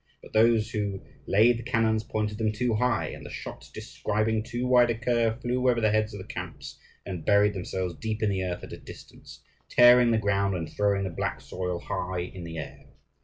But those who laid the cannons pointed them too high, and the shot describing too wide a curve flew over the heads of the camps, and buried themselves deep in the earth at a distance, tearing the ground, and throwing the black soil high in the air.